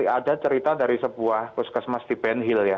ada cerita dari sebuah puskesmas di benhil ya